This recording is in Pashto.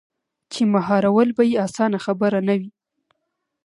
چـې مـهار ول بـه يـې اسـانه خبـره نـه وي.